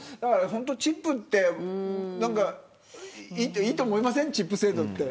チップって、いいと思いませんかチップ制度って。